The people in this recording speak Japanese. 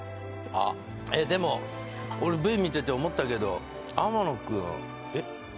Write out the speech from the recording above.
えっでも俺Ｖ見てて思ったけど天野くんえっ？